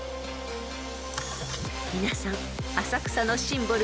［皆さん浅草のシンボル